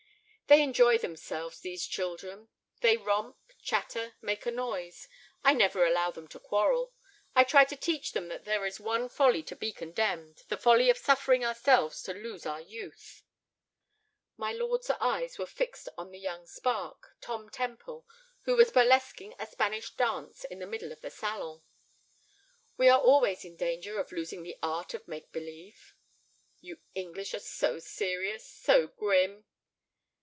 "They enjoy themselves, these children; they romp, chatter, make a noise; I never allow them to quarrel. I try to teach them that there is one folly to be condemned, the folly of suffering ourselves to lose our youth." My lord's eyes were fixed on the young spark, Tom Temple, who was burlesquing a Spanish dance in the middle of the salon. "We are always in danger of losing the art of make believe." "You English are so serious, so grim."